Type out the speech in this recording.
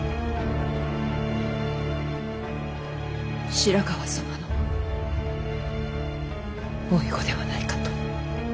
白河様の甥子ではないかと。